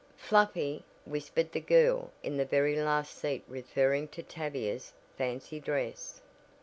"Fluffy!" whispered the girl in the very last seat referring to Tavia's fancy dress.